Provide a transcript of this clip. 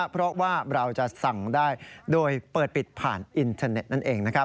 เพราะว่าเราจะสั่งได้โดยเปิดปิดผ่านอินเทอร์เน็ตนั่นเองนะครับ